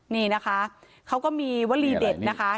นี่นะคะเขาก็มีวลีเด็ดนะคะ